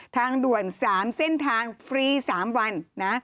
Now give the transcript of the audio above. ทางด่วน๓เส้นทางฟรี๓วันนะ